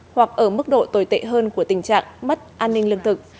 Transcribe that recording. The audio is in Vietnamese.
hoặc ở mức độ tồi tệ hơn của tình trạng mất an ninh lương thực